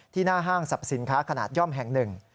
หน้าห้างสรรพสินค้าขนาดย่อมแห่งหนึ่ง